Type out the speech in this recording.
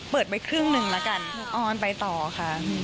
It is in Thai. เปิดไว้ครึ่งหนึ่งแล้วกันออนไปต่อค่ะ